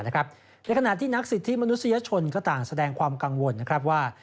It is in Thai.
ในขณะที่นักสิทธิมนุษยชนก็ต่างแสดงความกังวลนะครับว่า